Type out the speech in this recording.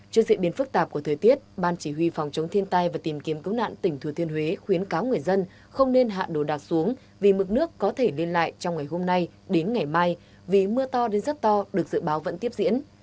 trước sự biến phức tạp của thời tiết ban chỉ huy phòng chống thiên tai và tìm kiếm cứu nạn tỉnh thừa thiên huế khuyến cáo người dân không nên hạ đồ đạc xuống vì mức nước có thể lên lại trong ngày hôm nay đến ngày mai vì mưa to đến rất to được dự báo vẫn tiếp diễn